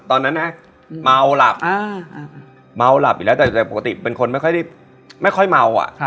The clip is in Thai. ตอนนั้นเมาหลับอีกแล้วแต่ปกติเป็นคนไม่ค่อยเมา